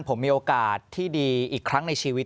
ผมมีโอกาสที่ดีอีกครั้งในชีวิต